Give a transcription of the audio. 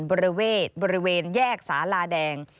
บริเวณแยกสาลาแดง